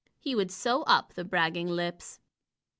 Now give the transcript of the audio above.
He would sew up the bragging lips.